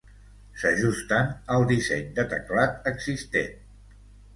S'ajusten al disseny de teclat existent.